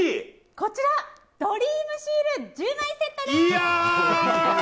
こちら、ドリームシール１０枚セットです！